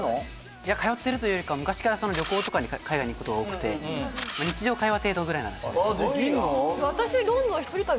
いや通ってるというよりか昔から旅行とかに海外に行くことが多くて日常会話程度ぐらいならあっできんの？